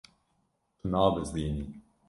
Tu nabizdînî.